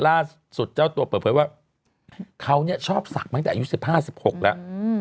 ล่าสุดเจ้าตัวเปิดเผยว่าเขาชอบศักดิ์ตั้งแต่อายุ๑๕๑๖แล้ว